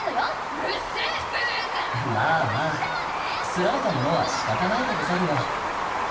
すられたものは仕方ないでござるよ。